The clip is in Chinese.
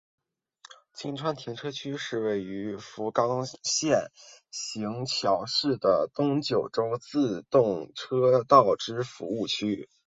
今川停车区是位于福冈县行桥市的东九州自动车道之服务区。